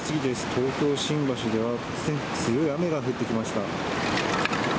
東京・新橋では突然、強い雨が降ってきました。